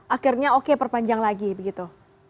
akhirnya oke perpanjang lagi begitu